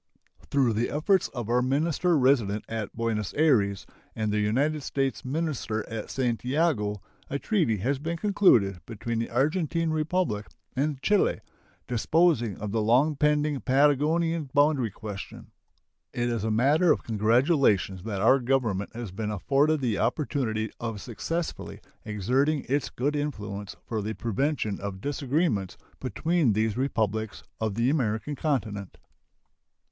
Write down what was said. Through the efforts of our minister resident at Buenos Ayres and the United States minister at Santiago, a treaty has been concluded between the Argentine Republic and Chile, disposing of the long pending Patagonian boundary question. It is a matter of congratulation that our Government has been afforded the opportunity of successfully exerting its good influence for the prevention of disagreements between these Republics of the American continent.